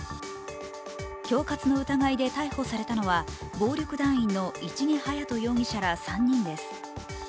恐喝の疑いで逮捕されたのは暴力団員の市毛勇人容疑者ら３人です。